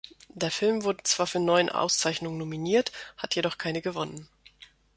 Der Film wurde zwar für neun Auszeichnungen nominiert, hat jedoch keine gewonnen.